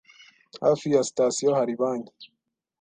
Hafi ya sitasiyo hari banki?